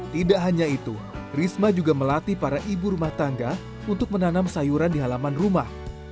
tidak hanya itu risma juga melatih para ibu rumah tangga untuk menanam sayuran di halaman rumah